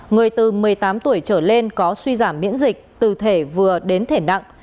người từ một mươi tám tuổi trở lên có suy giảm miễn dịch từ thể vừa đến thể nặng